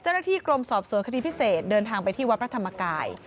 เจ้าหน้าที่กรมสอบสวนคดีพิเศษเดินทางไปที่วัดพระธรรมกาย